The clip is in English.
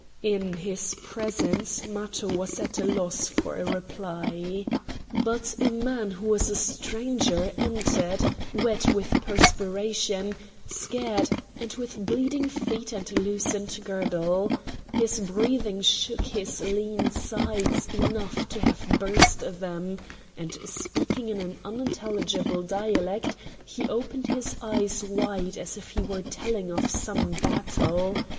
In his presence Matho was at a loss for a reply. But a man who was a stranger entered, wet with perspiration, scared, and with bleeding feet and loosened girdle; his breathing shook his lean sides enough to have burst them, and speaking in an unintelligible dialect he opened his eyes wide as if he were telling of some battle.